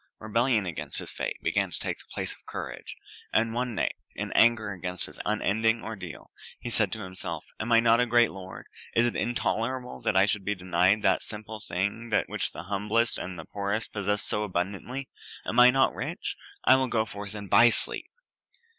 Rebellion against his fate began to take the place of courage; and one night, in anger against his unending ordeal, he said to himself: "Am I not a great lord? It is intolerable that I should be denied that simple thing which the humblest and poorest possess so abundantly. Am I not rich? I will go forth and buy sleep."